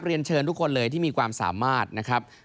เรียนเชิญทุกคนเลยที่มีความสามารถนะครับ